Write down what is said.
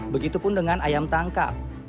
begitupun dengan ayam tangkap